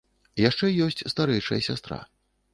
Яшчэ ёсць старэйшая сястра.